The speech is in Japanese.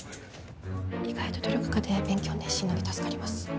意外と努力家で勉強熱心なんで助かります。